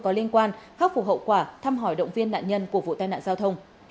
có liên quan khắc phục hậu quả thăm hỏi động viên nạn nhân của vụ tai nạn giao thông